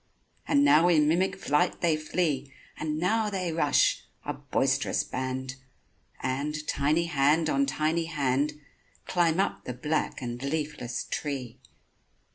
And now in mimic flight they flee, And now they rush, a boisterous band— And, tiny hand on tiny hand, Climb up the black and leafless tree.